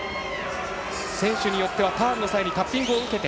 選手によってはターンの際にタッピングを受けて。